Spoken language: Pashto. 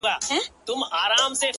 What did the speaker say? څوک چي ونو سره شپې کوي;